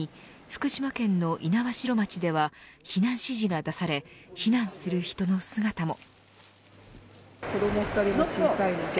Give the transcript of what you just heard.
福島県の猪苗代町では避難指示が出され避難する人の姿も。